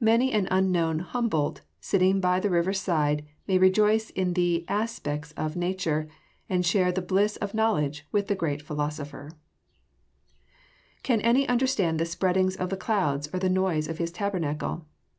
Many an unknown Humboldt, sitting by the river's side, may rejoice in the "aspects of nature," and share the bliss of knowledge with the great philosopher. [Verse: "Can any understand the spreadings of the clouds, or the noise of his tabernacle?"